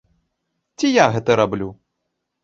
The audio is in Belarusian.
Ці я гэта раблю?